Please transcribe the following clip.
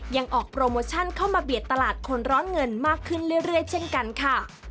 ยังออกโปรโมชั่นเข้ามาเบียดตลาดคนร้อนเงินมากขึ้นเรื่อยเช่นกันค่ะ